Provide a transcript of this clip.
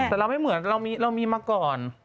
แต่เราไม่เหมือนเรามีมาก่อน